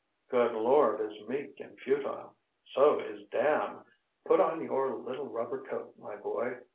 "Good lord is meek and futile. So is damn. Put on your little rubber coat, my boy.